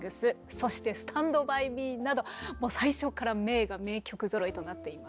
そして「スタンド・バイ・ミー」など最初から名画名曲ぞろいとなっています。